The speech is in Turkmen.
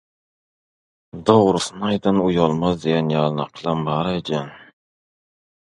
«Dogrusyny aýdan uýalmaz» diýen ýaly nakylam bar öýdýän.